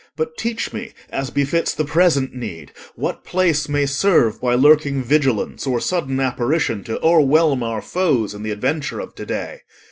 But teach me, as befits the present need, What place may serve by lurking vigilance Or sudden apparition to o'erwhelm Our foes in the adventure of to day.